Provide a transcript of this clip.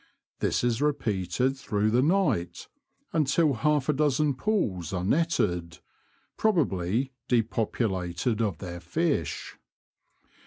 This is repeated through the night until half a dozen pools are netted — probably depopulated of their fish.